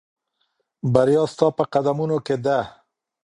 بریا ستا په قدمونو کې ده.